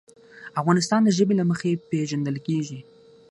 افغانستان د ژبې له مخې پېژندل کېږي.